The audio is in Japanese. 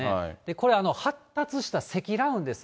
これ、発達した積乱雲です。